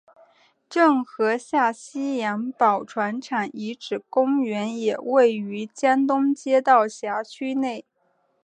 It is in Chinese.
郑和下西洋宝船厂遗址公园也位于江东街道辖区内。